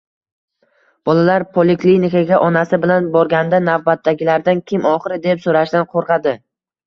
Bolalar poliklinikasiga onasi bilan borganida navbatdagilardan “Kim oxiri?”, deb so‘rashdan qo‘rqadi.